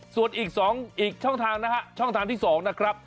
ส่วนอีก๒อีกช่องทางนะฮะช่องทางที่๒นะครับ